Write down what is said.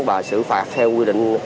và xử phạt theo quy định